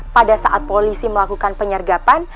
pada saat polisi melakukan penyergapan